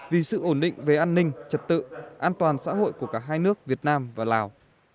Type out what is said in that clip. vì sự ổn định về an ninh trật tự an toàn xã hội của cả hai nước việt nam và lào